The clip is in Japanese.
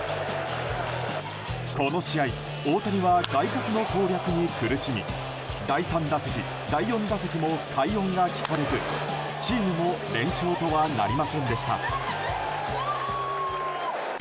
この試合、大谷は外角の攻略に苦しみ第３打席、第４打席も快音が聞かれずチームも連勝とはなりませんでした。